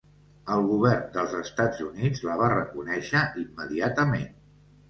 El govern dels Estats Units la va reconèixer immediatament.